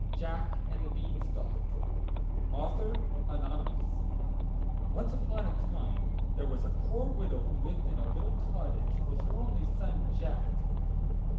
JACK AND THE BEANSTALK Anonymous Once upon a time there was a poor widow who lived in a little cottage with her only son Jack.